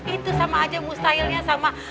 itu sama aja mustahilnya sama